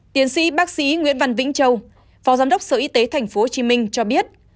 tiến sĩ bác sĩ nguyễn văn vĩnh châu phó giám đốc sở y tế tp hcm cho biết